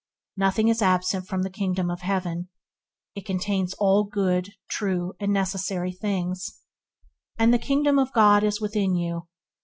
Nothing is absent from the Kingdom of heaven; it contains all good, true, and necessary things, and "the Kingdom of God is within you."